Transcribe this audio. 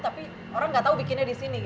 tapi orang nggak tahu bikinnya di sini